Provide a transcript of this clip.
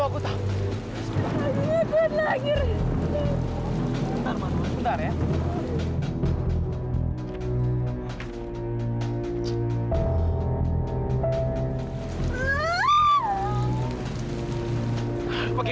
ada hubungannya dengan